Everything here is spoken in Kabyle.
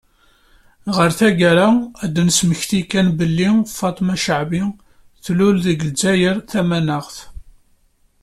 Ɣer taggara, ad d-nesmekti kan belli, Faṭma Caɛbi tlul deg Lezzayer Tamaneɣ.